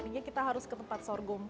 artinya kita harus ke tempat sorghum